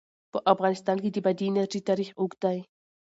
په افغانستان کې د بادي انرژي تاریخ اوږد دی.